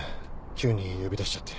急に呼び出しちゃって。